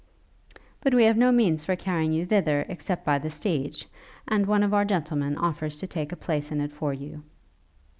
'But we have no means for carrying you thither, except by the stage; and one of our gentlemen offers to take a place in it for you.'